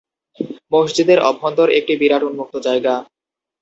মসজিদের অভ্যন্তর একটি বিরাট উন্মুক্ত জায়গা।